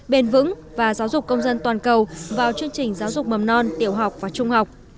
bền vững và giáo dục công dân toàn cầu vào chương trình giáo dục mầm non tiểu học và trung học